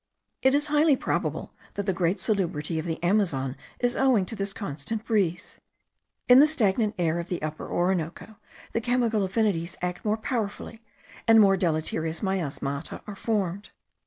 It is highly probable that the great salubrity of the Amazon is owing to this constant breeze. In the stagnant air of the Upper Orinoco the chemical affinities act more powerfully, and more deleterious miasmata are formed.